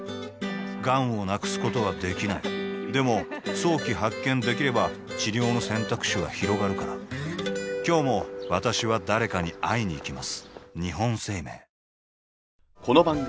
がんを無くすことはできないでも早期発見できれば治療の選択肢はひろがるから今日も私は誰かに会いにいきます